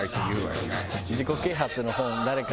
自己啓発の本誰か。